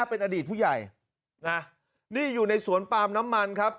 เป็นอดีตผู้ใหญ่นะนี่อยู่ในสวนปาล์มน้ำมันครับ